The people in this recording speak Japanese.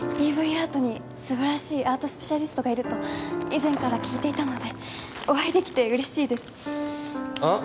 アートに素晴らしいアートスペシャリストがいると以前から聞いていたのでお会いできて嬉しいですあっ